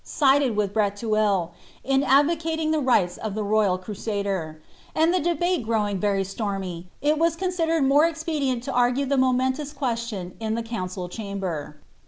93 • with Breteuil, in advocating the rights of the royal Crusader; and the (lehate growing rery stormy, it was considered more expedient to argue the momentous question in the council chamber.